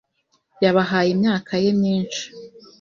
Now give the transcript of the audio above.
yahabeye imyaka ye myinshi.